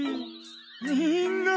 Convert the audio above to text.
みんなに。